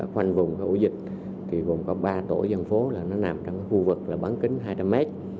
khoanh vùng ổ dịch gồm có ba tổ dân phố nằm trong khu vực bán kính hai trăm linh m